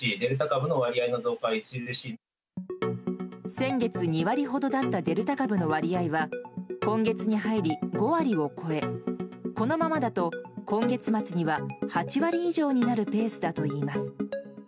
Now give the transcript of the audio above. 先月は２割ほどだったデルタ株の割合は今月に入り５割を超えこのままだと今月末には８割以上になるペースだといいます。